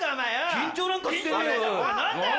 緊張なんかしてねえよ！